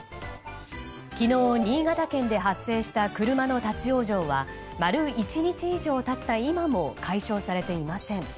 昨日、新潟県で発生した車の立ち往生は丸１日以上経った今も解消されていません。